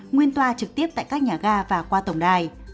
nguyên toa trực tiếp tại các nhà ga và qua tổng đài